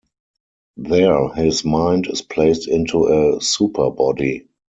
There his mind is placed into a "super-body".